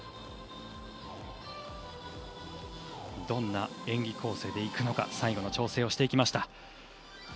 どんな演技構成でいくのか最後の調整をしていました。